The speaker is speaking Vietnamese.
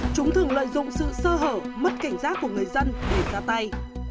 chúng thường lợi dụng sự sơ hở mất cảnh giác của người dân để ra tay